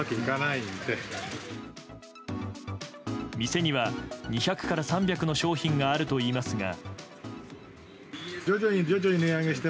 店には、２００から３００の商品があるといいますが。